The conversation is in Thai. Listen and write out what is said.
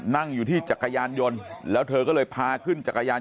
นั่งอยู่ที่จักรยานยนต์แล้วเธอก็เลยพาขึ้นจักรยาน